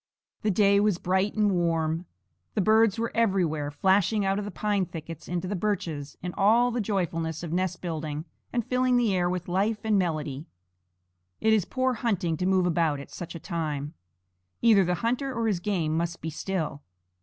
The day was bright and warm. The birds were everywhere, flashing out of the pine thickets into the birches in all the joyfulness of nest building, and filling the air with life and melody. It is poor hunting to move about at such a time. Either the hunter or his game must be still.